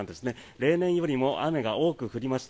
例年よりも雨が多く降りました。